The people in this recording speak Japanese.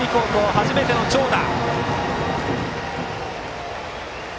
初めての長打。